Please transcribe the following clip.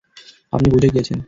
আপনি বুঝে গিয়েছেন।